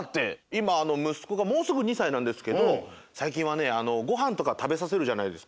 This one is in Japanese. いまむすこがもうすぐ２さいなんですけどさいきんはねごはんとかたべさせるじゃないですか。